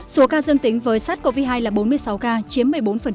số ca dương tính với sars cov hai là bốn mươi sáu ca chiếm một mươi bốn